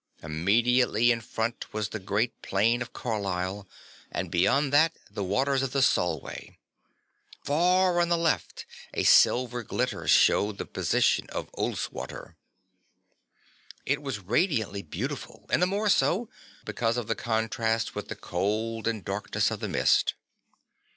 Immediately in front was the great plain of Carlisle and beyond that the waters of the Solway. Far on the left a silver glitter showed the position of Ulleswater. It was radiantly beautiful and the more so, because of the contrast with the cold and darkness of the mist.